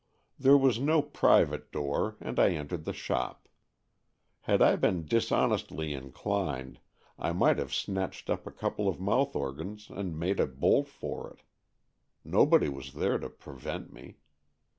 There was no private door, and I entered the shop. Had I been dishonestly inclined, I might have snatched up a couple of mouth organs and made a bolt for it. Nobody was there to prevent me.